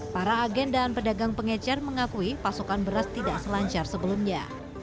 para agen dan pedagang pengecer mengakui pasokan beras tidak selancar sebelumnya